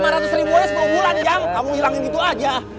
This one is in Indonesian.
lima ratus ribu nya sepuluh bulan jang kamu hilangin itu aja